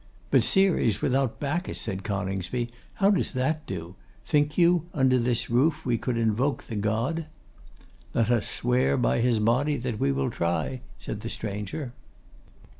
'But Ceres without Bacchus,' said Coningsby, 'how does that do? Think you, under this roof, we could Invoke the god?' 'Let us swear by his body that we will try,' said the stranger.